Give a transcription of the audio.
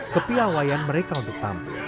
kepiawaian mereka untuk tampil